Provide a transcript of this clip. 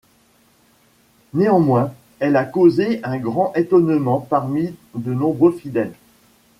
Néanmoins, elle a causé un grand étonnement parmi de nombreux fidèles.